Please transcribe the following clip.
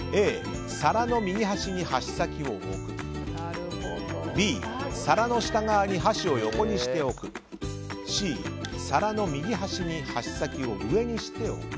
Ａ、皿の右端に箸先を置くＢ、皿の下側に箸を横にして置くＣ、皿の右端に箸先を上にして置く。